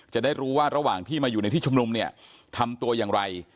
จะได้รู้ว่าระหว่างที่มาอยู่ในที่ชุมนุมเนี่ยทำตัวอย่างไร